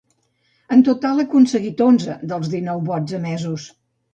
En total ha aconseguit onze dels dinou vots emesos.